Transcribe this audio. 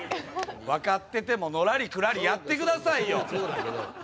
分かっててものらりくらりやって下さいよ！